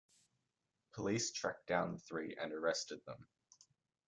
Police tracked down the three and arrested them.